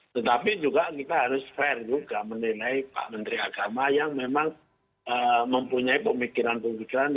tetapi juga kita harus fair juga menilai pak menteri agama yang memang mempunyai pemikiran pemikiran